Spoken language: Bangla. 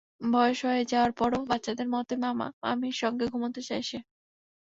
বয়স হয়ে যাওয়ার পরও বাচ্চাদের মতোই মামা-মামির সঙ্গে ঘুমাতে চায় সে।